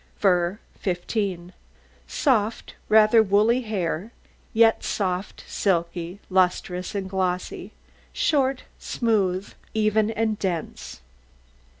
FUR 15 Soft, rather woolly hair, yet soft, silky, lustrous, and glossy, short, smooth, even, and dense.